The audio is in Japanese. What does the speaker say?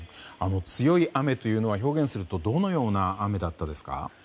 強い雨というのは表現するとどのような雨でしたか。